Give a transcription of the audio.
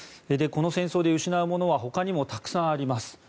この戦争で失うものはほかにもたくさんあります。